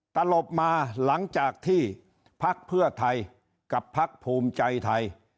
ตลบมาหลังจากที่พักเพื่อไทยกับพักภูมิใจไทย